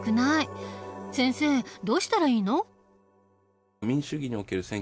先生どうしたらいいの？